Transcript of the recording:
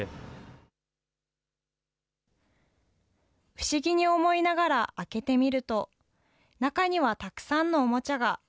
不思議に思いながら開けてみると、中にはたくさんのおもちゃが。